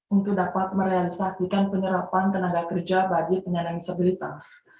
untuk dapat merealisasikan penerapan tenaga kerja bagi penyandang disabilitas